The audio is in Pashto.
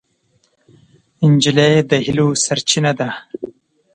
نجلۍ د هیلو سرچینه ده.